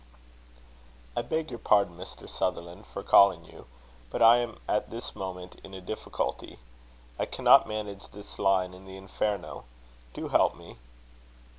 "I beg your pardon, Mr. Sutherland, for calling you, but I am at this moment in a difficulty. I cannot manage this line in the Inferno. Do help me."